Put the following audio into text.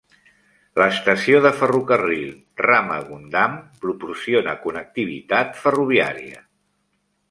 L'estació de ferrocarril Ramagundam proporciona connectivitat ferroviària.